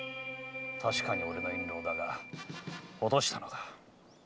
確かに俺の印籠だが落としたのだ。